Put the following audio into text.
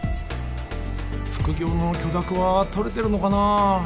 副業の許諾はとれてるのかなぁ？